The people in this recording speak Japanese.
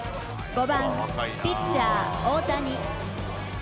５番ピッチャー、大谷。